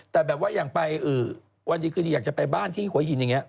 แต่แบบว่าอย่างไปวันดีคืนดีอยากจะไปบ้านที่หัวหินอย่างนี้